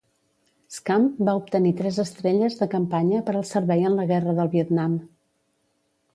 "Scamp" va obtenir tres estrelles de campanya per al servei en la Guerra del Vietnam.